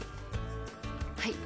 はい。